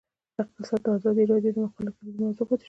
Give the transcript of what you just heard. اقتصاد د ازادي راډیو د مقالو کلیدي موضوع پاتې شوی.